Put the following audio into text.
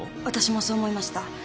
私もそう思いました。